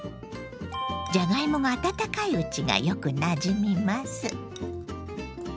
じゃがいもが温かいうちがよくなじみます。